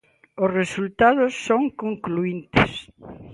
Os resultados son concluíntes.